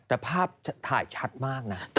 แต่ภาพถ่ายชัดมากนะ